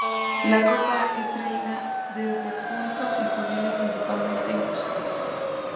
La Coca es traída desde Puno y proviene principalmente de Cusco.